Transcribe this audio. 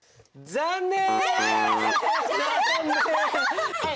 残念！